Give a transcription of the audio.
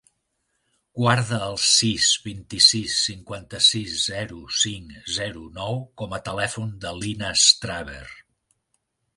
Guarda el sis, vint-i-sis, cinquanta-sis, zero, cinc, zero, nou com a telèfon de l'Inas Traver.